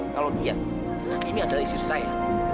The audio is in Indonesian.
kalau lihat ini adalah istri saya